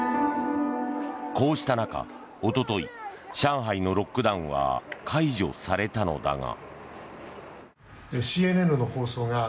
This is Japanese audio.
こうした中、一昨日上海のロックダウンは解除されたのだが。